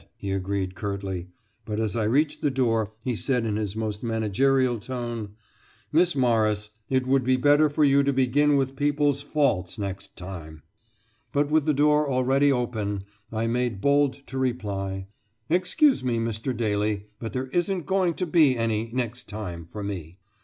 be agreed curtly; but as I reached the door he said in his most managerial tone: "Miss Morris, it would be better for you to begin with people's faults next time " But with the door already open I made bold to reply: "Excuse me, Mr. Daly, but there isn't going to be any next time for me!"